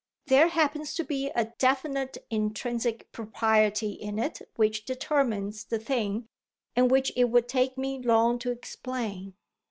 There happens to be a definite intrinsic propriety in it which determines the thing and which it would take me long to explain."